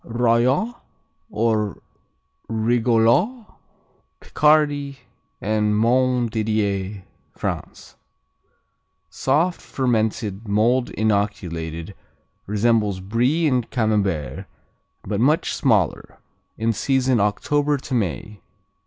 Rollot or Rigolot Picardy and Montdidier, France Soft; fermented; mold inoculated; resembles Brie and Camembert, but much smaller. In season October to May.